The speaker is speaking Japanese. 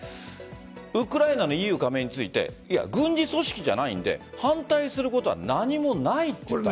ウクライナのＥＵ加盟について軍事組織じゃないので反対することは何もないと言った。